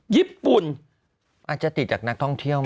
ญี่ปุ่นอาจจะติดจากนักท่องเที่ยวไหม